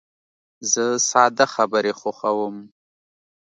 زه ساده خبرې خوښوم.